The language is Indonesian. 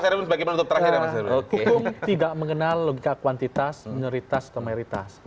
karena selama perjalanan hukum tidak mengenal logika kuantitas minoritas atau mayoritas